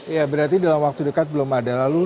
ya berarti dalam waktu dekat belum ada